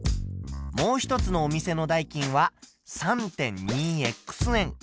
もう一つのお店の代金は３．２円。